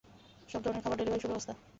সবধরনের খাবার ডেলিভারির সুব্যবস্থা।